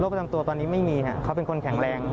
ประจำตัวตอนนี้ไม่มีครับเขาเป็นคนแข็งแรง